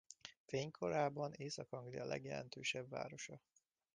Fénykorában Észak-Anglia legjelentősebb városa.